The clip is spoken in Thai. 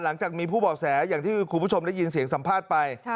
หลังจากมีผู้บอกแสอย่างที่คุณผู้ชมได้ยินเสียงสัมภาษณ์ไป